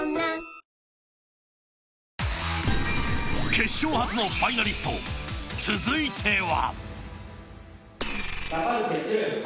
決勝初のファイナリスト続いては。